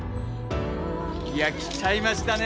いや来ちゃいましたね。